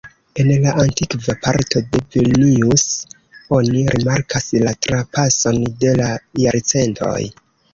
En la antikva parto de Vilnius oni rimarkas la trapason de la jarcentoj.